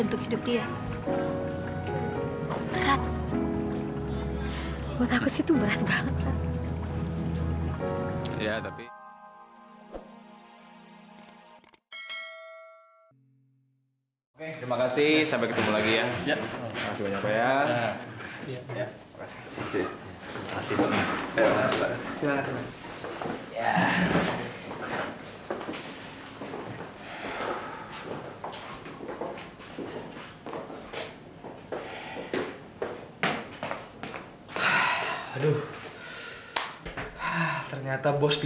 terima kasih banyak banyak